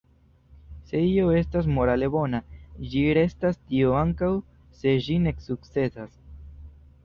Se io estas morale bona, ĝi restas tia ankaŭ se ĝi ne sukcesas.